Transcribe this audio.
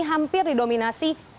hampir didominasi warga